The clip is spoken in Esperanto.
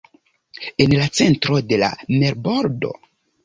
En la centro de la marbordo estas la Duoninsulo Banks.